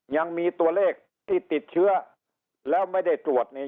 ยังมีตัวเลขที่ติดเชื้อแล้วไม่ได้ตรวจนี่